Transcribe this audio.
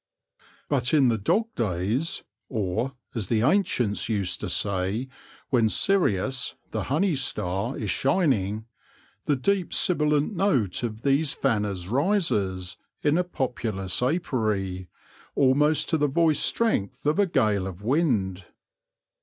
But in the dog days, or, as the ancients used to say, when Sirius, the honey star, is shining, the deep sibilant note of these fanners rises, 42 THE LORE OF THE HONEY BEE in a populous apiary, almost to the voice strength of a gale of wind.